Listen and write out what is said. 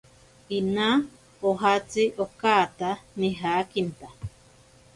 Inaa ojatsi okaata nijakinta.